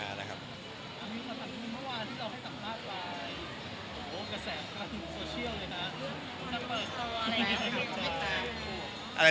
ถ้าเปิดตัวอะไรไม่ได้หรือ